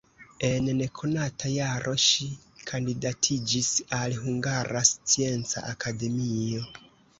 En nekonata jaro ŝi kandidatiĝis al Hungara Scienca Akademio.